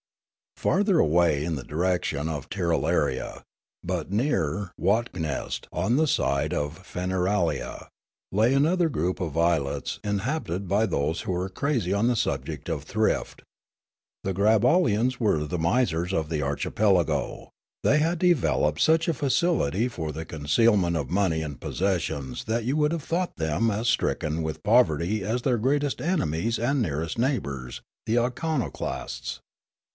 Farther away in the direction of Tirralaria, but nearer Wotnekst on the side of Feneralia, lay another group of islets inhabited bj^ those who were crazj' on the subject of thrift. The Grabawlians were the misers of the archipelago ; they had developed such a faculty for the concealment of money and possessions that you would have thought them as stricken with poverty as their greatest enemies and nearest neigh bours, the Iconoclasts.